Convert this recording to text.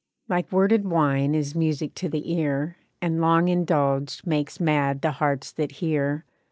Like worded wine is music to the ear, And long indulged makes mad the hearts that hear.